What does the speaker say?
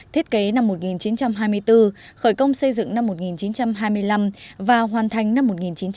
thiết kế năm một nghìn chín trăm hai mươi bốn khởi công xây dựng năm một nghìn chín trăm hai mươi năm và hoàn thành năm một nghìn chín trăm bảy mươi năm